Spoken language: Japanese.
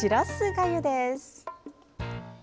がゆです。